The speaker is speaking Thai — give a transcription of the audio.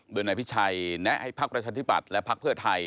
โดยนายพิชัยแนะให้พักประชาธิบัตย์และพักเพื่อไทย